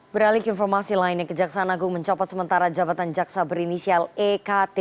beralik informasi lainnya kejaksaan agung mencopot sementara jabatan jaksa berinisial ekt